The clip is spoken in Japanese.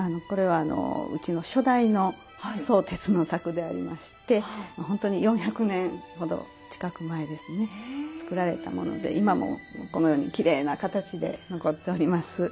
これはうちの初代の宗哲の作でありましてほんとに４００年ほど近く前ですね作られたもので今もこのようにきれいな形で残っております。